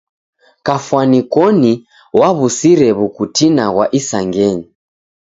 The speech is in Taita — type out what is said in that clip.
Kafwani koni w'aw'usire w'ukitina ghwa isangenyi.